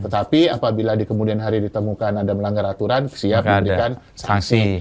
tetapi apabila di kemudian hari ditemukan ada melanggar aturan siap diberikan sanksi